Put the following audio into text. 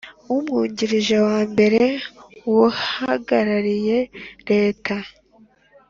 Umwungirije wa mbere w Uhagarariye leta